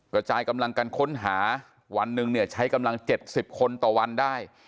กระจายกำลังกันค้นหาวันหนึ่งเนี่ยใช้กำลัง๗๐คนต่อวันได้